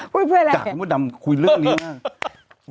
พูดเพื่ออะไรบากผู้ดำคุยเรื่องดีมาก